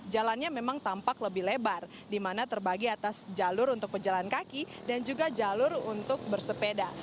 jalannya memang tampak lebih lebar di mana terbagi atas jalur untuk pejalan kaki dan juga jalur untuk bersepeda